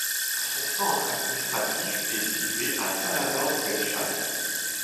Son centre administratif est situé à Saint-Lazare-de-Bellechasse.